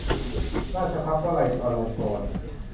ราชภัฏวไลยอลงกรณ์